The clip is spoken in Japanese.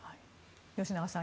吉永さん